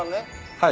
はい。